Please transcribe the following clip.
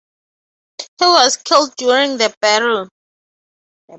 He was killed during the battle.